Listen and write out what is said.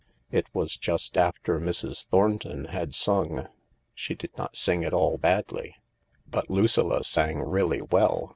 It was just after Mrs. Thornton had sung. She did not sing at all badly, but Lucilla sang really well.